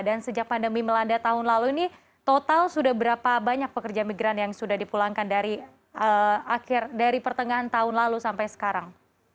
dan sejak pandemi melanda tahun lalu ini total sudah berapa banyak pekerjaan imigran yang sudah dipulangkan dari pertengahan tahun lalu sampai sekarang